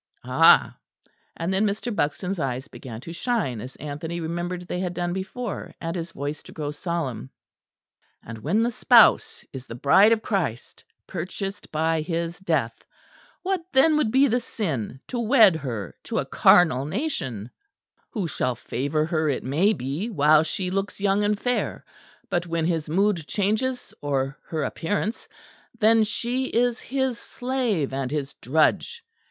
Ah!" and then Mr. Buxton's eyes began to shine as Anthony remembered they had done before, and his voice to grow solemn, "and when the spouse is the Bride of Christ, purchased by His death, what then would be the sin to wed her to a carnal nation, who shall favour her, it may be, while she looks young and fair; but when his mood changes, or her appearance, then she is his slave and his drudge!